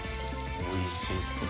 おいしそう。